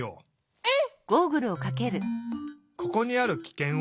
うん。